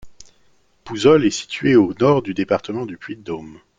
Pouzol est située au nord du département du Puy-de-Dôme.